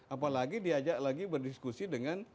apalagi diajak lagi berdiskusi dengan